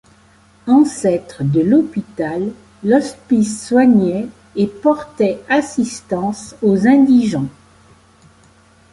Ancêtre de l'hôpital, l'hospice soignait et portait assistance aux indigents.